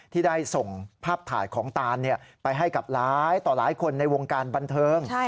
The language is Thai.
ที่ได้ส่งภาพถ่ายของตานไปให้กับหลายต่อหลายคนในวงการบันเทิง